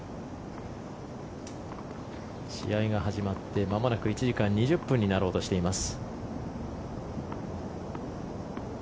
試合が始まってまもなく１時間２０分になろうとしています。